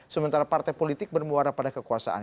sementara partai politik bermuara pada kekuasaan